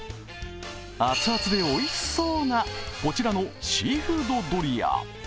熱々でおいしそうなこちらのシーフードドリア。